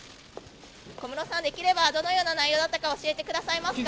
小室さん、できればどのような内容だったか教えてくださいますか。